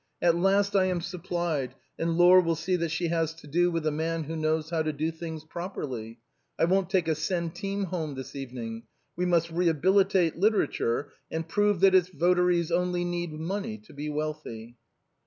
At last I am supplied, and Laure will see that she has to do with a man who knows how to do things properly. I won't take a centime home this evening. We must rehabilitate literature, and prove that its votaries only need money to be wealthy."